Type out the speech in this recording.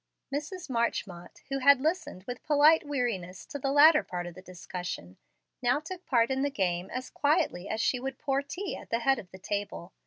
Mrs. Marchmont, who had listened with polite weariness to the latter part of the discussion, now took part in the game as quietly as she would pour tea at the head of the table.